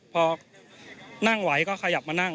พอนั่งไหวก็ขยับมานั่ง